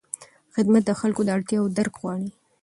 خدمت د خلکو د اړتیاوو درک غواړي.